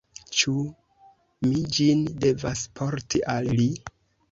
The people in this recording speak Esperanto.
Ĉu mi ĝin devas porti al li?